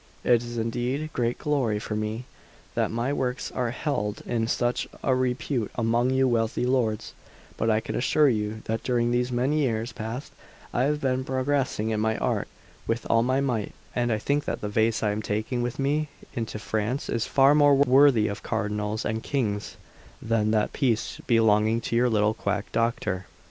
It is indeed great glory for me that my works are held in such repute among you wealthy lords; but I can assure you that during these many years past I have been progressing in my art with all my might, and I think that the vase I am taking with me into France is far more worthy of cardinals and kings than that piece belonging to your little quack doctor."